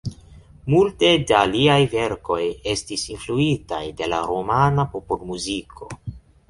Multe da liaj verkoj estis influitaj de la rumana popolmuziko.